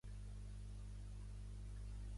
El títol proposat es va canviar a "Techno Pop".